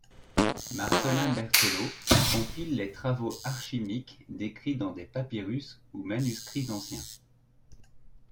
Marcelin Berthelot compile les travaux archimiques décrits dans des papyrus ou manuscrits anciens.